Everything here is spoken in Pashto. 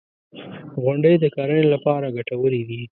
• غونډۍ د کرنې لپاره ګټورې دي.